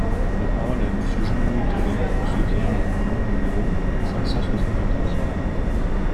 La parole est à Monsieur Jean-Louis Touraine, pour soutenir l’amendement numéro cinq cent soixante-quatorze.